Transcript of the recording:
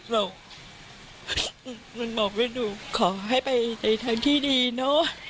เรามันบอกว่าหนูขอให้ไปในทางที่ดีเนาะ